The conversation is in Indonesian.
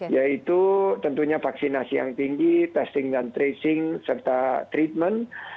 yaitu tentunya vaksinasi yang tinggi testing dan tracing serta treatment